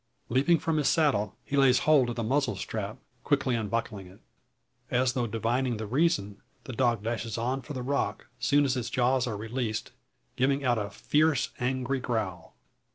Leaping from his saddle, he lays holds of the muzzle strap, quickly unbuckling it. As though divining the reason, the dog dashes on for the rock; soon as its jaws are released, giving out a fierce angry growl.